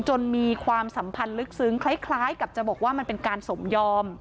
มีความสัมพันธ์ลึกซึ้งคล้ายกับจะบอกว่ามันเป็นการสมยอม